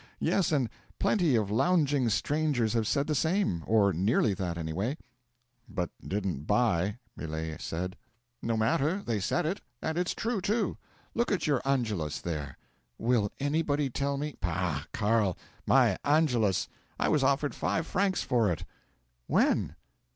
Yes, and plenty of lounging strangers have said the same or nearly that, anyway." '"But didn't buy," Millet said. '"No matter, they said it; and it's true, too. Look at your 'Angelus' there! Will anybody tell me " '"Pah, Carl My 'Angelus!' I was offered five francs for it." '"When?"